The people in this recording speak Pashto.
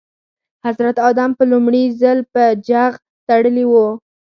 حضرت ادم په لومړي ځل په جغ تړلي وو.